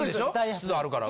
湿度あるから。